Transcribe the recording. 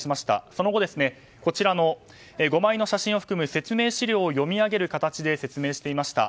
その後、５枚の写真を含む説明資料を読み上げる形で説明していました。